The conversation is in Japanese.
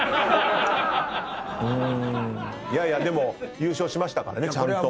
でも優勝しましたからねちゃんと。